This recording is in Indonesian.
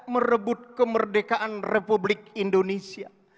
merebut kemerdekaan republik indonesia